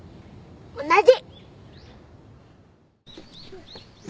同じ。